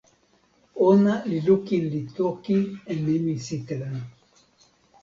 ona li lukin li toki e nimi sitelen.